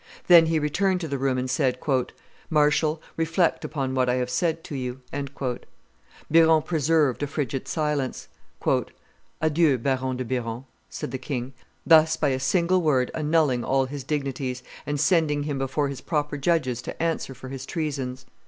Then he returned to the room and said, "Marshal, reflect upon what I have said to you." Biron preserved a frigid silence. "Adieu, Baron de Biron!" said the king, thus by a single word annulling all his dignities, and sending him before his proper judges to answer for his treasons.